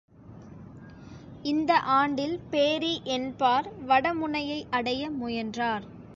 இந்த ஆண்டில் பேரி என் பார் வட முனையை அடைய முயன்றார்.